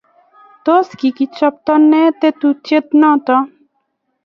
Tos kikichapto ne tetutiet noto?